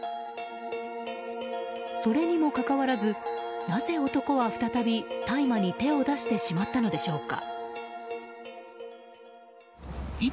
それにもかかわらずなぜ男は再び大麻に手を出してしまったのでしょうか。